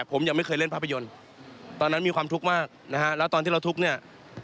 ผมยังไม่เคยเล่นภาพยนตร์ตอนนั้นมีความทุกข์มากนะฮะแล้วตอนที่เราทุกข์เนี่ย